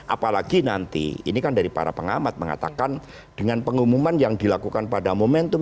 apalagi nanti ini kan dari para pengamat mengatakan dengan pengumuman yang dilakukan pada momentum